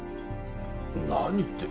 何って。